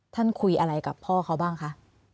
คุยอะไรกับพ่อเขาบ้างคะ